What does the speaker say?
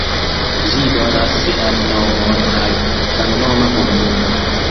Ĝi donas sian nomon al samnoma komunumo.